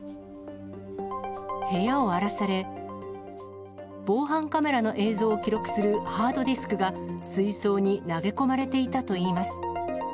部屋を荒らされ、防犯カメラの映像を記録するハードディスクが水槽に投げ込まれていたといいます。